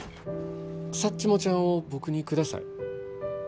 サッチモちゃんを僕にください。